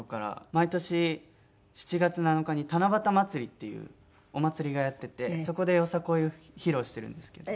毎年７月７日に七夕まつりっていうお祭りがやっててそこでよさこいを披露してるんですけど。